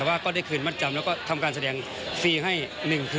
แต่ว่าก็ได้คืนมัดจำแล้วก็ทำการแสดงฟรีให้๑คืน